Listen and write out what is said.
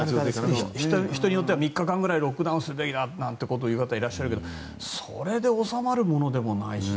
人によっては３日間くらいロックダウンするべきだという人もいらっしゃるけどそれで収まるものでもないし。